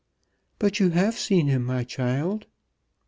"But you have seen him, my child."